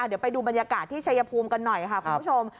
เดี๋ยวไปดูบรรยากาศที่ชัยภูมิกันหน่อยค่ะคุณผู้ชม